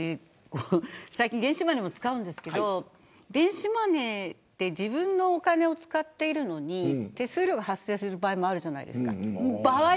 最近電子マネー使うんですけど電子マネーは自分のお金を使っているのに手数料が発生する場合もありますよね。